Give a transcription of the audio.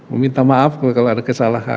meminta maaf kalau ada kesalahan